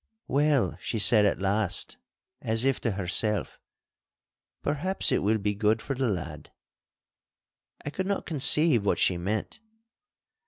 'Well,' she said at last, as if to herself, 'perhaps it will be good for the lad.' I could not conceive what she meant.